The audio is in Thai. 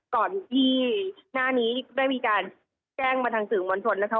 ก่อนที่หน้านี้ได้มีการแจ้งต่อทางถือบนทนนะคะ